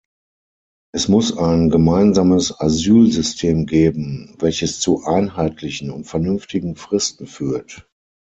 Es muss ein gemeinsames Asylsystem geben, welches zu "einheitlichen und vernünftigen Fristen" führt.